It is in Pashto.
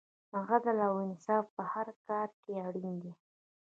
عدل او انصاف په هر کار کې اړین دی.